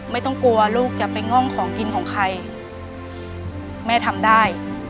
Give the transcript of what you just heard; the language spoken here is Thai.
ไม่ต้องกลัวลูกจะไปง่องของกินของใครแม่ทำได้